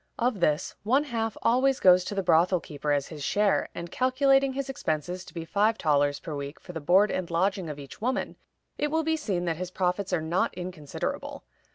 Of this, one half always goes to the brothel keeper as his share, and, calculating his expenses to be five thalers per week for the board and lodging of each woman, it will be seen that his profits are not inconsiderable.